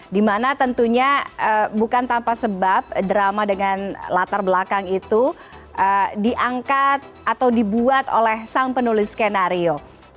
dimana tentunya bukan tanpa sebab drama dengan latar belakang itu diangkat atau dibuat oleh sang penulis skenario